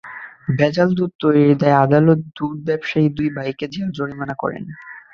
ভেজাল দুধ তৈরির দায়ে আদালত দুধ ব্যবসায়ী দুই ভাইকে জেল-জরিমানা করেন।